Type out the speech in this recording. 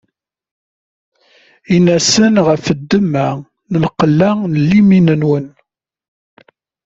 Inna-asen: Ɣef ddemma n lqella n liman-nwen.